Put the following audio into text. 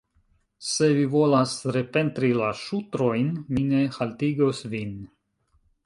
Se vi volas repentri la ŝutrojn, mi ne haltigos vin.